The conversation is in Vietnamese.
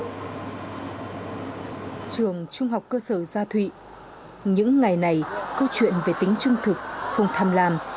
trường trung học cơ sở gia thụy những ngày này câu chuyện về tính trung thực không tham làm